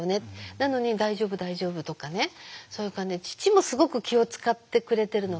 なのに「大丈夫大丈夫」とかねそういう感じで父もすごく気を遣ってくれてるのが分かる。